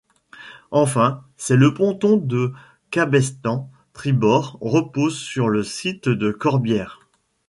Enfin, c'est le ponton de cabestan tribord repose sur le site de Corbières.